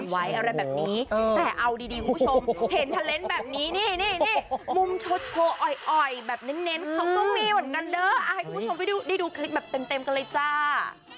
ให้คุณผู้ชมไปดูคลิปแบบเต็มกันเลยจ้า